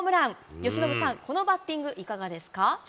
由伸さん、このバッティング、いかがですか。